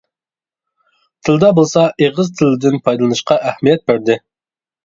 تىلدا بولسا ئېغىز تىلىدىن پايدىلىنىشقا ئەھمىيەت بەردى.